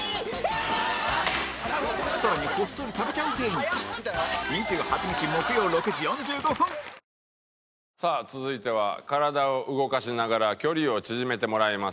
ニトリさあ続いては体を動かしながら距離を縮めてもらいます。